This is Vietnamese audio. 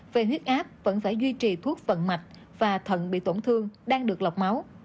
về huyết áp vẫn phải duy trì thuốc vận mạch và thận bị tổn thương đang được lọc máu